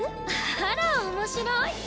あら面白い。